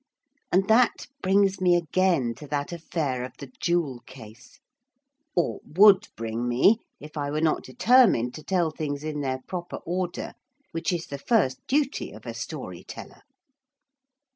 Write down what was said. And that brings me again to that affair of the jewel case, or would bring me if I were not determined to tell things in their proper order, which is the first duty of a story teller.